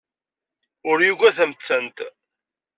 Ur yugad tamettant.